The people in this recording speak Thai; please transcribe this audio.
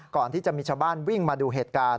ก่อนที่จะมีชาวบ้านวิ่งมาดูเหตุการณ์